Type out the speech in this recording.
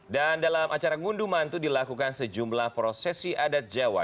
dan dalam acara unduh mantu dilakukan sejumlah prosesi adat jawa